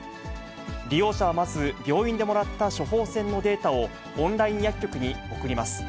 利用者はまず、病院でもらった処方箋のデータを、オンライン薬局に送ります。